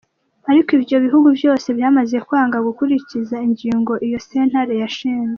Ariko ivyo bihugu vyose biramaze kwanka gukurikiza ingingo iyo sentare yashinze.